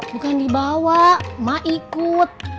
bukan dibawa emak ikut